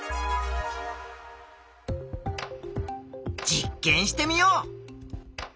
実験してみよう。